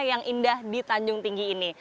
yang indah di tanjung tinggi ini